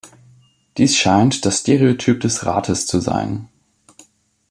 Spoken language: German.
Dies scheint das Stereotyp des Rates zu sein.